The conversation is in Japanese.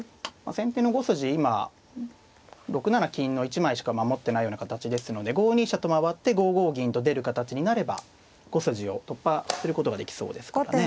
先手の５筋今６七金の１枚しか守ってないような形ですので５二飛車と回って５五銀と出る形になれば５筋を突破することができそうですからね。